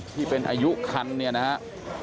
ที่เป็นอายุคันเนี่ยนะครับ